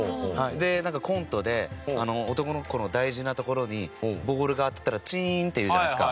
でなんかコントで男の子の大事な所にボールが当たったら「チーン」っていうじゃないですか。